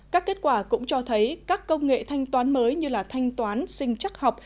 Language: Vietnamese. các kết quả cũng cho thấy các công nghệ thanh toán mới như là thanh toán sinh chắc học